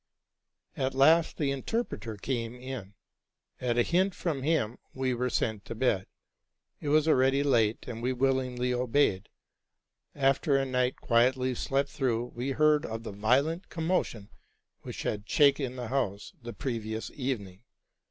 At last the interpreter came in. At a hint from him we were sent to bed: it was already late, and we willingly obeyed. After a night quietly slept through, we heard of the violent commotion which had shaken the house the previous evening.